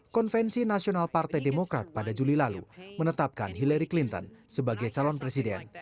konvensi nasional partai demokrat pada juli lalu menetapkan hillary clinton sebagai calon presiden